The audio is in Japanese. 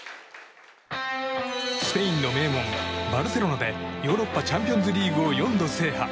スペインの名門バルセロナでヨーロッパチャンピオンズリーグを４度、制覇。